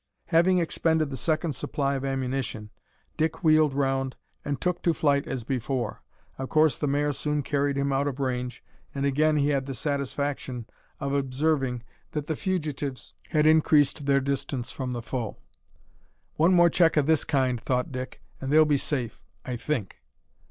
Having expended the second supply of ammunition, Dick wheeled round and took to flight as before. Of course the mare soon carried him out of range, and again he had the satisfaction of observing that the fugitives had increased their distance from the foe. "One more check o' this kind," thought Dick, "and they'll be safe I think."